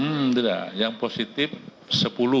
enam belas orang yang positif tiga yang di icu